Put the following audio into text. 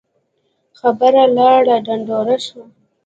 خبره لاړه ډنډوره شوه.